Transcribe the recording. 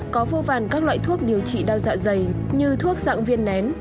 có vô vàn các loại thuốc điều trị đau dạ dày như thuốc dạng viên nén